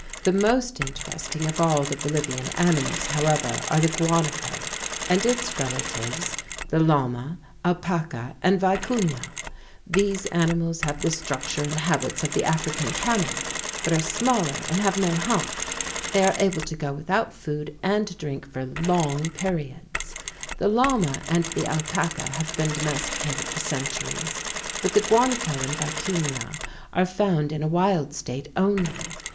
The most interesting of all the Bolivian animals, however, are the guanaco (gwah na´ko) and its relatives, the llama (lyah´ma), alpaca (al pak´ah) and vicuña (vi koon´yah). These animals have the structure and habits of the African camel, but are smaller and have no hump. They are able to go without food and drink for long periods. The llama and the alpaca have been domesticated for centuries; but the guanaco and vicuña are found in a wild state only.